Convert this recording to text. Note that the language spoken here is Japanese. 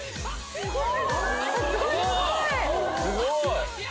すごーい。